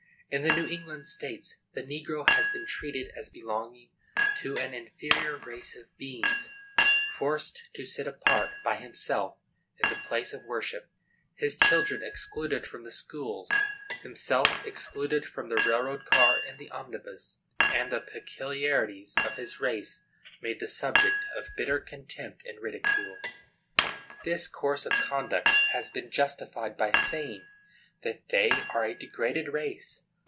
In the New England States the negro has been treated as belonging to an inferior race of beings;—forced to sit apart by himself in the place of worship; his children excluded from the schools; himself excluded from the railroad car and the omnibus, and the peculiarities of his race made the subject of bitter contempt and ridicule. This course of conduct has been justified by saying that they are a degraded race.